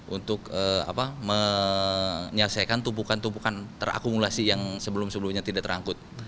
untuk menyelesaikan tumpukan tumpukan terakumulasi yang sebelum sebelumnya tidak terangkut